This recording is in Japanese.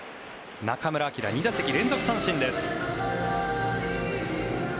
中村晃、２打席連続三振です。